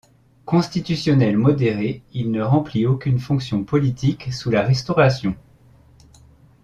Constitutionnel modéré, il ne remplit aucune fonction politique sous la Restauration.